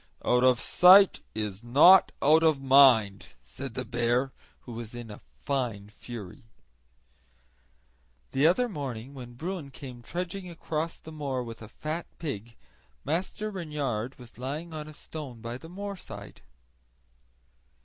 "Out of sight is not out of mind!" said the bear, who was in a fine fury. The other morning, when Bruin came trudging across the moor with a fat pig, Master Reynard was lying on a stone by the moorside.